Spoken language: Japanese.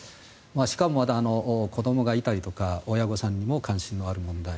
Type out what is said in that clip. しかも、子どもがいたりする親御さんにも関心のある問題。